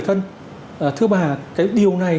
thân thưa bà cái điều này